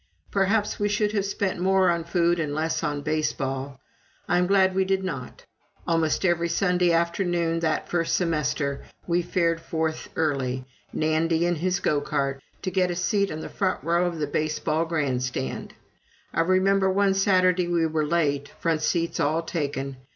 Perhaps we should have spent more on food and less on baseball. I am glad we did not. Almost every Saturday afternoon that first semester we fared forth early, Nandy in his go cart, to get a seat in the front row of the baseball grandstand. I remember one Saturday we were late, front seats all taken.